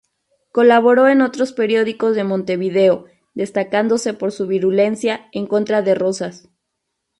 Colaboró en otros periódicos de Montevideo, destacándose por su virulencia en contra de Rosas.